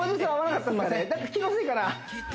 気のせいかな？